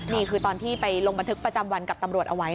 นี่คือตอนที่ไปลงบันทึกประจำวันกับตำรวจเอาไว้